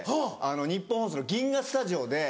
ニッポン放送の銀河スタジオで。